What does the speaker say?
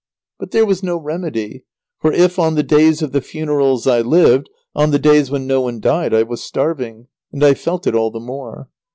But there was no remedy, for if on the days of the funerals I lived, on the days when no one died I was starving, and I felt it all the more.